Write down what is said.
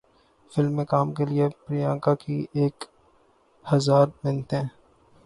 film میں کام کیلئے پریانکا کی ایک ہزار منتیں